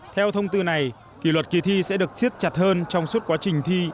theo thông tư này kỷ luật kỳ thi sẽ được siết chặt hơn trong suốt quá trình thi